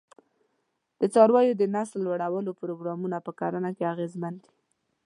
د څارویو د نسل لوړولو پروګرامونه په کرنه کې اغېزمن دي.